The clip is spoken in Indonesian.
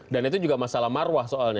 dan itu juga masalah marwah soalnya